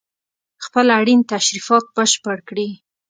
خپل اړين تشريفات بشپړ کړي